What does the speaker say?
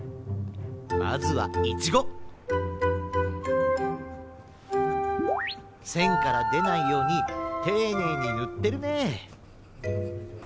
まずはイチゴ！せんからでないようにていねいにぬってるね！